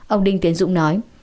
ông đinh tiến dũng nói